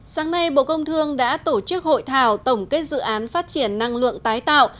sáng nay bộ công thương đã tổ chức hội thảo tổng kết dự án phát triển năng lượng tái tạo